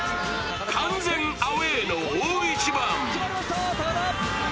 完全アウェーの大一番。